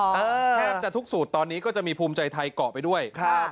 แทบจะทุกสูตรตอนนี้ก็จะมีภูมิใจไทยเกาะไปด้วยครับ